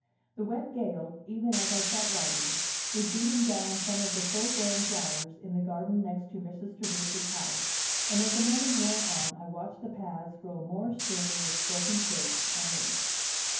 The wet gale, even as I sat writing, was beating down some of the full blown flowers in the garden next Mrs. Trevise's house, and as the morning wore on I watched the paths grow more strewn with broken twigs and leaves.